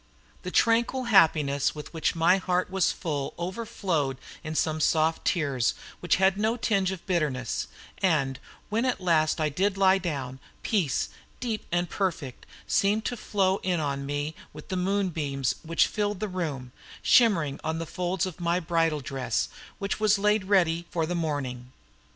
The tranquil happiness with which my heart was full overflowed in some soft tears which had no tinge of bitterness, and when at last I did lie down, peace, deep and perfect, still seemed to flow in on me with the moonbeams which filled the room, shimmering on the folds of my bridal dress, which was laid ready for the morning.